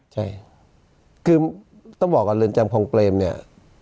ใช่คือต้องบอกว่าเรือนจำคลองเปรมเนี่ย